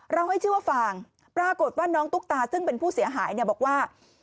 ให้ชื่อว่าฟางปรากฏว่าน้องตุ๊กตาซึ่งเป็นผู้เสียหายเนี่ยบอกว่า